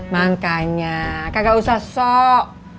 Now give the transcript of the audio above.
makanya kagak usah sok